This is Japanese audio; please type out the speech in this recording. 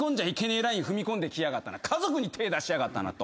踏み込んできやがったな家族に手ぇ出しやがったなと。